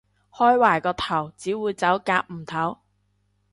開壞個頭，只會走夾唔唞